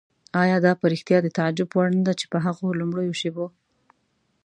آیا دا په رښتیا د تعجب وړ نه ده چې په هغو لومړیو شېبو.